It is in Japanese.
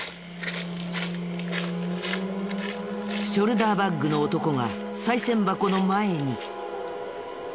ショルダーバッグの男がさい銭箱の前に。